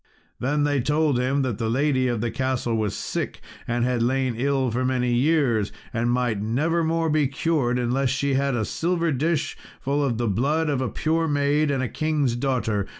Then they told him that the lady of the castle was sick, and had lain ill for many years, and might never more be cured, unless she had a silver dish full of the blood of a pure maid and a king's daughter.